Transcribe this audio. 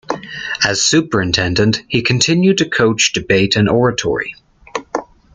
As superintendent, he continued to coach debate and oratory.